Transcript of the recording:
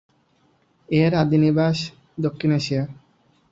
এর আদি নিবাস দক্ষিণ এশিয়া।